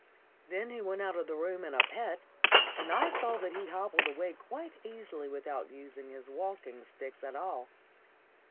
Then he went out of the room in a pet, and I saw that he hobbled away quite easily without using his walking sticks at all.